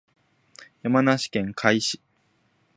山梨県甲斐市